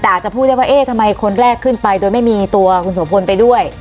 แต่อาจจะพูดได้ว่าเอ๊ะทำไมคนแรกขึ้นไปโดยไม่มีตัวคุณโสพลไปด้วย